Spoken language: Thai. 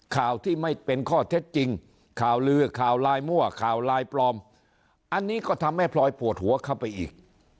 ข่าวที่ไม่เป็นข้อเท็จจริงข่าวลือข่าวลายมั่วข่าวลายปลอมอันนี้ก็ทำให้พลอยปวดหัวเข้าไปอีก